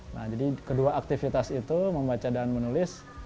nah jadi kedua aktivitas itu membaca dan menulis